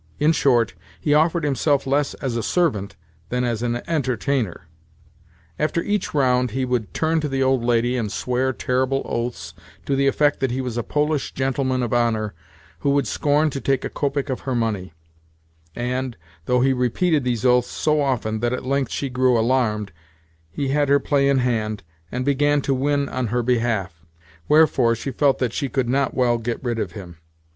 In short, he offered himself less as a servant than as an entertainer. After each round he would turn to the old lady, and swear terrible oaths to the effect that he was a "Polish gentleman of honour" who would scorn to take a kopeck of her money; and, though he repeated these oaths so often that at length she grew alarmed, he had her play in hand, and began to win on her behalf; wherefore, she felt that she could not well get rid of him.